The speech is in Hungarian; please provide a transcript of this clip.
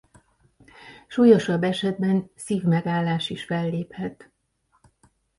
Súlyosabb esetben szívmegállás is felléphet.